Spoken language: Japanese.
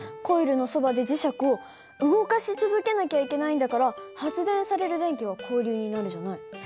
コイルのそばで磁石を動かし続けなきゃいけないんだから発電される電気は交流になるじゃない。